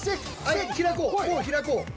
開こうもう開こう。